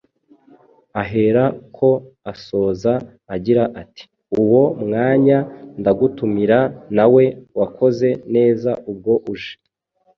aherako asoza agira ati: “Uwo mwanya ndagutumira, nawe wakoze neza ubwo uje.